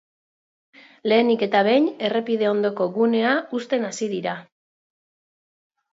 Lehenik eta behin errepide ondoko gunea husten hasi dira.